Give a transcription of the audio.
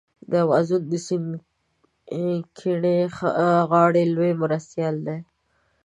د امازون د سیند کیڼې غاړي لوی مرستیال دی.